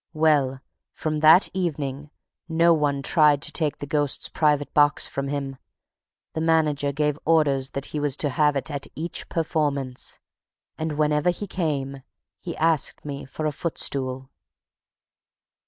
"Well, from that evening, no one tried to take the ghost's private box from him. The manager gave orders that he was to have it at each performance. And, whenever he came, he asked me for a footstool."